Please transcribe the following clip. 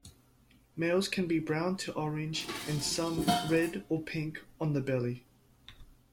Males can be brown to orange and some red or pink on the belly.